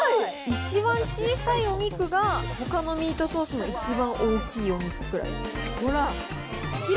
一番小さいお肉が、ほかのミートソースの一番大きいお肉くらい。